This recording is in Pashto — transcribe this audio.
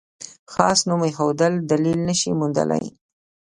خاص نوم ایښودل دلیل نه شي موندلای.